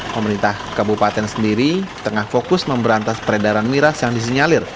pemerintah kabupaten sendiri tengah fokus memberantas peredaran miras yang disinyalir